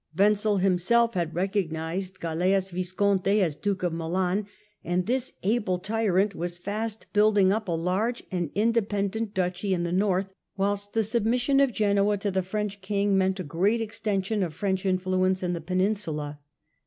Wenzel himself had recognised Galeas Visconti as Duke of Milan, and this able tyrant was fast building up a large and independent Duchy in the North ; whilst the submission of Genoa to the French King meant a great extension of French influence in the Peninsula.